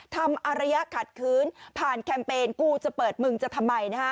อารยะขัดคืนผ่านแคมเปญกูจะเปิดมึงจะทำไมนะฮะ